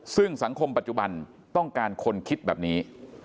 ซึ่งสังคมปัจจุบันต้องการคนคิดแบบนี้